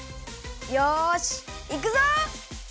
よしいくぞ！